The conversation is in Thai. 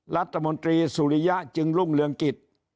รัฐมนตรีสุริยะจึงรุ่งเรืองกิจ